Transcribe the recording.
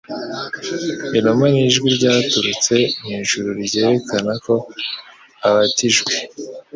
inuma n'ijwi ryaturutse mu ijuru byerekana ko abatijwe,